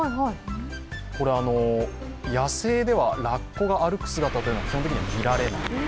これ、野生ではラッコが歩く姿は基本的には見られない。